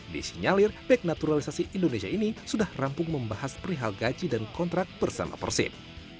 disinyalir back naturalisasi indonesia ini sudah rampung membahas perihal gaji dan kontrak bersama persib